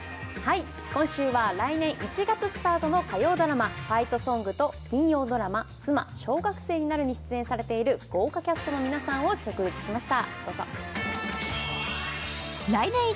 今週は来年１月スタートの火曜ドラマ、「ファイトソング」と金曜ドラマ「妻、小学生になる」に出演されている豪華キャストの皆さんを直撃しました。